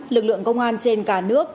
lực lượng công an trên cả nước